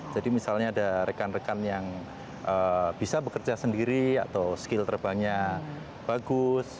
jadi misalnya ada rekan rekan yang bisa bekerja sendiri atau skill terbangnya bagus